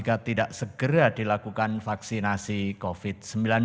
atau jika tidak segera dilakukan vaksinasi covid sembilan belas